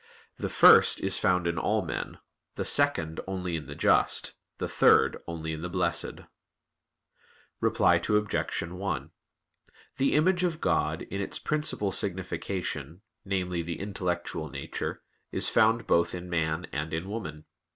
The first is found in all men, the second only in the just, the third only in the blessed. Reply Obj. 1: The image of God, in its principal signification, namely the intellectual nature, is found both in man and in woman.